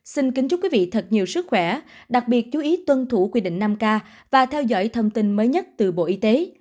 xin kính chúc quý vị thật nhiều sức khỏe đặc biệt chú ý tuân thủ quy định năm k và theo dõi thông tin mới nhất từ bộ y tế